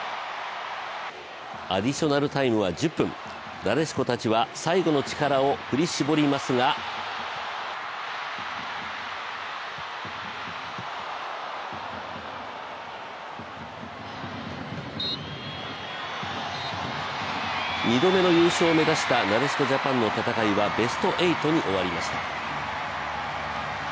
アディショナルタイムは１０分、なでしこたちは最後の力を振り絞りますが２度目の優勝を目指したなでしこジャパンの戦いは、ベスト８に終わりました。